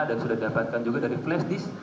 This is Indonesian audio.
dan sudah didapatkan juga dari flashdisk